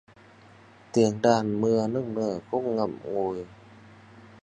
Tiếng đàn mưa nức nở khúc ngậm ngùi